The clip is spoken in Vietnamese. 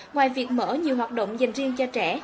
ngoài việc mở nhiều hoạt động dành riêng cho trẻ